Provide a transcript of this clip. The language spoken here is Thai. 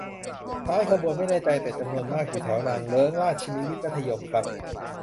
ท้ายขบวนไม่แน่ใจ แต่จำนวนมากอยู่แถวนางเลิ้ง ราชวินิต มัธยม ครับ